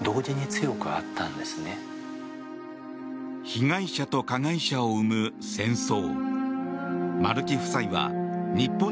被害者と加害者を生む戦争。